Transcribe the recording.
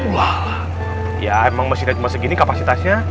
wah ya emang masjidnya cuma segini kapasitasnya